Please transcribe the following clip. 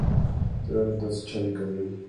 Tiene fronteras con Chad y Camerún.